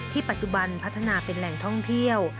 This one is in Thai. ปัจจุบันพัฒนาเป็นแหล่งท่องเที่ยว